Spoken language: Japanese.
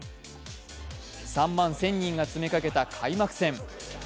３万１０００人が詰めかけた、開幕戦。